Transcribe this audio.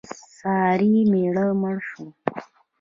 د سارې مېړه مړ شو.